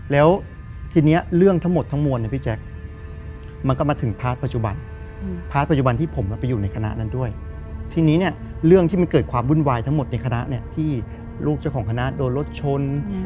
ลูกเจ้าของคณะโดนรถชน